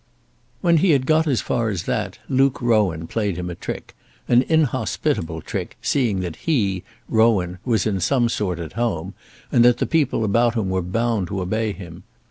When he had got as far as that Luke Rowan played him a trick, an inhospitable trick, seeing that he, Rowan, was in some sort at home, and that the people about him were bound to obey him.